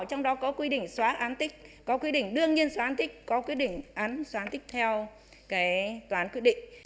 trong đó có quy định xóa án tích có quy định đương nhiên xóa án tích có quy định xóa án tích theo toán quy định